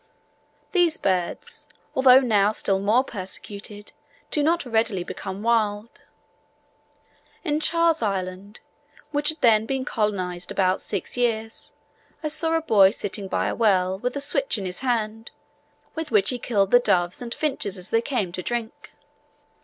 These birds, although now still more persecuted, do not readily become wild. In Charles Island, which had then been colonized about six years, I saw a boy sitting by a well with a switch in his hand, with which he killed the doves and finches as they came to drink.